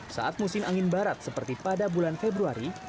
saat musim angin barat seperti pada bulan februari